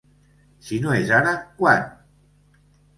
Si no és ara, quan?